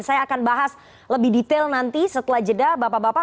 saya akan bahas lebih detail nanti setelah jeda bapak bapak